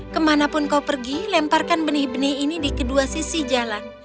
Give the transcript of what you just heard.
kemanapun kau pergi lemparkan benih benih ini di kedua sisi jalan